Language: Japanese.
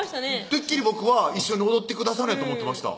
てっきり僕は一緒に踊ってくださると思ってました